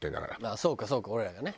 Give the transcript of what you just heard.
ああそうかそうか俺らがね。